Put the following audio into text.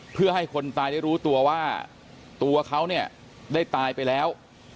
เพื่อให้คนตายได้รู้ตัวว่าตัวเขาเนี่ยได้ตายไปแล้ว